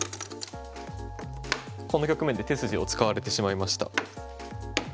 この局面で手筋を使われてしまいました。